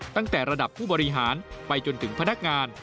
ตั้งแต่ระดับผู้บริหารไปจนถึงพนักงาน